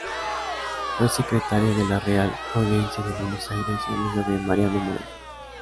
Fue secretario de la Real Audiencia de Buenos Aires y amigo de Mariano Moreno.